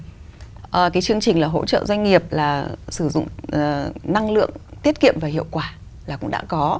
cái chương trình là hỗ trợ doanh nghiệp là sử dụng năng lượng tiết kiệm và hiệu quả là cũng đã có